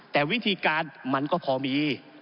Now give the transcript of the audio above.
แต่วิธีการมันก็พอมี